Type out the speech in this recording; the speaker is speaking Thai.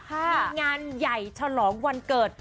มีงานใหญ่ฉลองวันเกิด